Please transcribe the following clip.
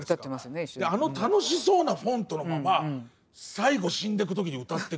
あの楽しそうなフォントのまま最後死んでく時に歌ってくじゃないですか。